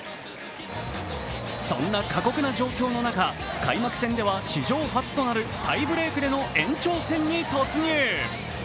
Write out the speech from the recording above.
そんな過酷な状況の中、開幕戦では史上初となるタイブレークでの延長戦に突入。